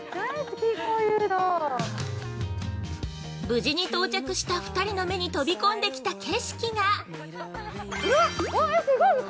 ◆無事に到着した２人の目に飛び込んできた景色が。